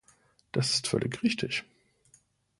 Das ist völlig richtig!